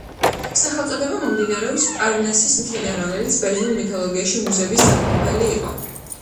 სახელწოდება მომდინარეობს პარნასის მთიდან, რომელიც ბერძნულ მითოლოგიაში მუზების სამყოფელი იყო.